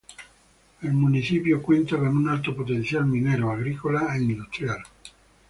El municipio cuenta con un alto potencial minero, agrícola e industrial.